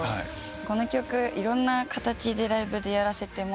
この曲いろんな形でライブでやらせてもらってて。